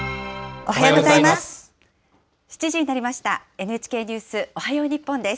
おはようございます。